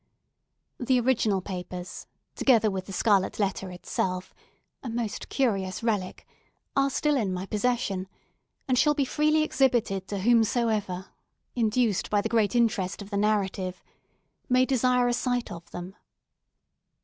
The original papers, together with the scarlet letter itself—a most curious relic—are still in my possession, and shall be freely exhibited to whomsoever, induced by the great interest of the narrative, may desire a sight of them.